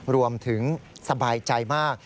รวมถึงสบายใจมาก